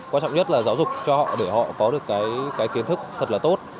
quan trọng nhất là giáo dục cho họ để họ có được cái kiến thức thật là tốt